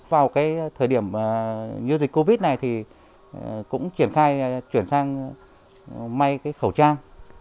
vào cái thời điểm như dịch covid này thì cũng chuyển sang may cái khẩu trang